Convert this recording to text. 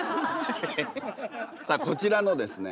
さあこちらのですね